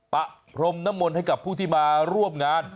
ประพรมน้ำมนต์ให้กับผู้ที่มาร่วมงาน